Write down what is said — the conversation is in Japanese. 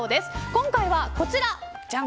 今回はこちら。